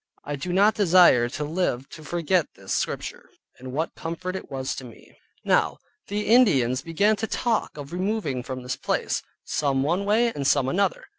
I do not desire to live to forget this Scripture, and what comfort it was to me. Now the Ind. began to talk of removing from this place, some one way, and some another.